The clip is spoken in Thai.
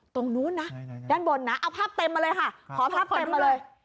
ตรงนู้นนะด้านบนนะเอาภาพเต็มมาเลยค่ะขอภาพเต็มมาเลย